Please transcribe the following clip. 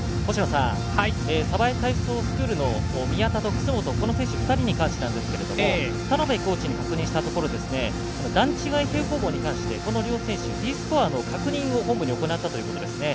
鯖江体操スクールの宮田と楠元２人に関してなんですけど田野辺コーチに確認したところ段違い平行棒に関してこの両選手Ｄスコアの確認を本部に行ったということですね。